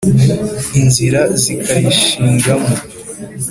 Inzira zikayishingamo